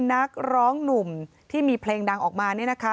นักร้องหนุ่มที่มีเพลงดังออกมาเนี่ยนะคะ